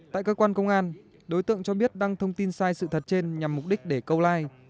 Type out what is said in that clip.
tại cơ quan công an đối tượng cho biết đăng thông tin sai sự thật trên nhằm mục đích để câu like